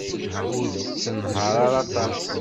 Ur tettenhaṛ ara aṭas.